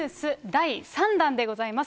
第３弾でございます。